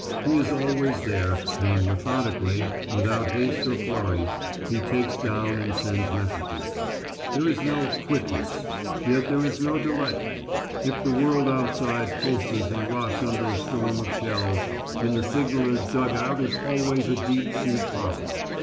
He is always there, and methodically, without haste or flurry, he takes down and sends messages. There is no "quickness"; yet there is no delay. If the world outside pulses and rocks under a storm of shells, in the signallers' dug out is always a deep sea calm.